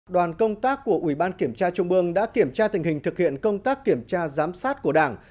đoàn công tác của ủy ban kiểm tra trung ương đã kiểm tra tình hình thực hiện công tác kiểm tra giám sát của đảng